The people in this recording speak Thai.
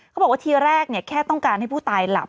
เขาบอกว่าทีแรกแค่ต้องการให้ผู้ตายหลับ